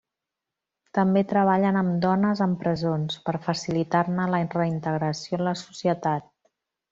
També treballen amb dones en presons, per facilitar-ne la reintegració en la societat.